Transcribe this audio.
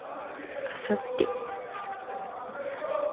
明後日